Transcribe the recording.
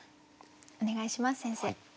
お願いします先生。